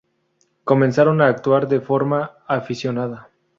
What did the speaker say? Comenzaron a actuar de forma aficionada.